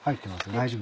大丈夫。